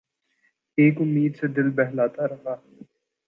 ایک امید سے دل بہلتا رہا